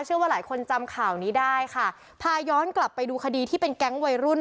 เชื่อว่าหลายคนจำข่าวนี้ได้ค่ะพาย้อนกลับไปดูคดีที่เป็นแก๊งวัยรุ่น